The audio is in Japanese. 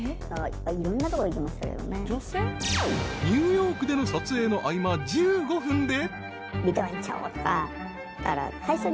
［ニューヨークでの撮影の合間１５分で］